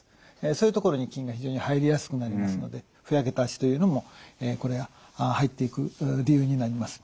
そういうところに菌が非常に入りやすくなりますのでふやけた足というのもこれは入っていく理由になります。